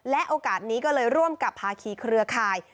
และโอกาสนี้ก็เลยร่วมกับภาคีเครือข่าย